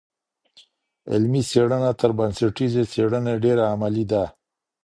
علمي څېړنه تر بنسټیزي څېړني ډېره عملي ده.